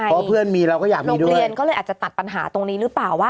เพราะเพื่อนมีเราก็อยากมีโรงเรียนก็เลยอาจจะตัดปัญหาตรงนี้หรือเปล่าว่า